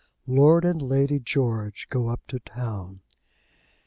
LORD AND LADY GEORGE GO UP TO TOWN.